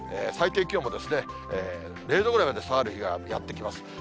最低気温もですね、０度ぐらいまで下がる日がやってきます。